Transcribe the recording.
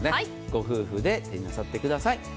ご夫婦で手になさってください。